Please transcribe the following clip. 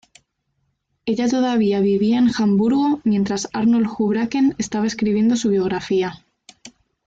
Ella todavía vivía en Hamburgo, mientras Arnold Houbraken estaba escribiendo su biografía.